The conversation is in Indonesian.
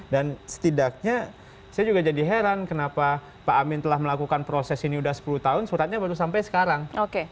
dan setidaknya saya juga jadi heran kenapa pak amin telah melakukan proses ini udah sepuluh tahun suratnya baru sampai sekarang